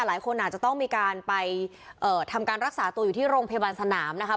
หลายคนอาจจะต้องมีการไปทำการรักษาตัวอยู่ที่โรงพยาบาลสนามนะครับ